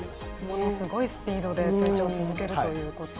ものすごいスピードで成長を続けるということ